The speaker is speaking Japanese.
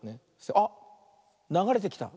あっながれてきた。